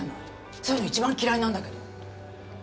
そういうの一番嫌いなんだけど。